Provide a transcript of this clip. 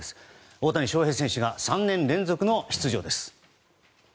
大谷翔平選手が３年連続の出場です。